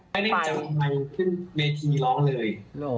ไม่ได้จำไว้ขึ้นเมธีร้องเลย